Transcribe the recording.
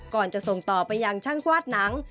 ก่อนจะส่งต่อไปยังช่างวาดหนัง